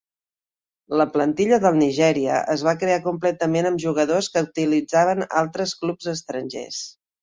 La plantilla del Nigeria es va crear completament amb jugadors que utilitzaven altres clubs estrangers.